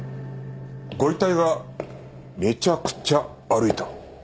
ご遺体がめちゃくちゃ歩いた？